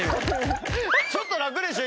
ちょっとラクでしょ